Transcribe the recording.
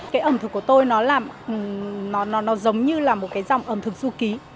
cái ẩm thực của tôi nó giống như là một dòng ẩm thực du ký